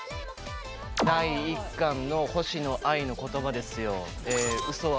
第１巻の星野アイの言葉ですよ。